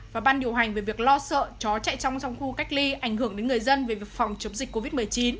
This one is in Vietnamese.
và ban điều hành về việc lo sợ chó chạy trong trong khu cách ly ảnh hưởng đến người dân về phòng chống dịch covid một mươi chín